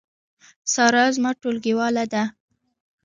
سارا زما ټولګیواله ده